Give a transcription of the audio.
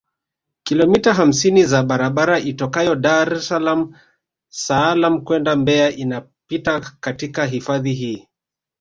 Kilomita hamsini za barabara itokayo Dar es Salaam kwenda Mbeya inapita katika hifadhi hii